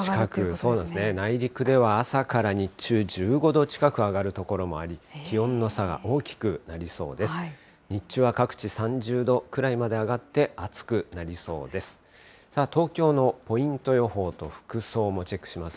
そうなんですね、内陸では朝から日中１５度近く上がる所もあり、気温の差が大きくなりそうです。